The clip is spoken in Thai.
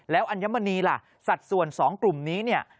แล้วอัญมณีล่ะสัดส่วน๒กลุ่มนี้เนี่ย